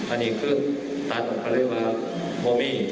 อันนี้คือตัวทุกครัวพ่อมี